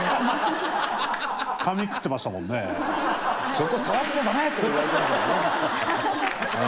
「そこ触っちゃダメ！」とか言われてましたからね。